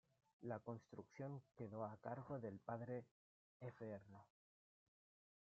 La construcción quedo a cargo el padre Fr.